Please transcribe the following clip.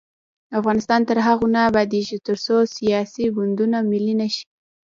افغانستان تر هغو نه ابادیږي، ترڅو سیاسي ګوندونه ملي نشي.